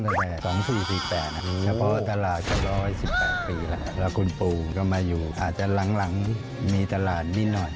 แต่๒๔๔๘นะเพราะตลาด๑๑๘ปีแล้วคุณปูก็มาอยู่อาจจะหลังมีตลาดนี้หน่อย